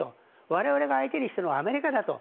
我々が相手にしてるのはアメリカだと。